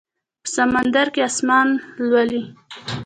په سمندر کې اسمان لولي